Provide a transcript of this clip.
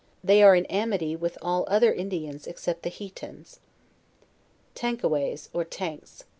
They are in amity with all other Indians except the Hietans, TANKAWAYS, OR TANKS.